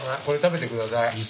これ食べてください。